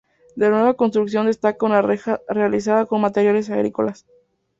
De la nueva construcción destaca una reja realizada con materiales agrícolas.